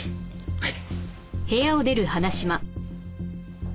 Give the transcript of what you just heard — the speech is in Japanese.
はい。